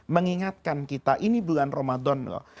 mengingatkan kita ini bulan ramadan loh